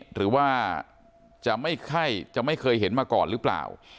หรือว่าจะไม่เคยเห็นมาก่อนหรือเปล่า